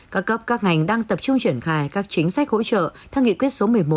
các cấp các ngành đang tập trung triển khai các chính sách hỗ trợ theo nghị quyết số một mươi một